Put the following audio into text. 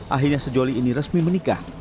akhirnya sejoli ini resmi menikah